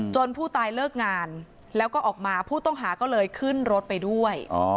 ผู้ตายเลิกงานแล้วก็ออกมาผู้ต้องหาก็เลยขึ้นรถไปด้วย